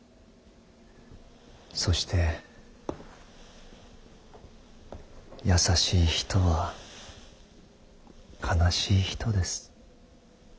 そして優しい人は悲しい人です。